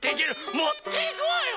もっていくわよ！